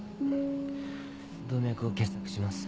動脈を結さくします。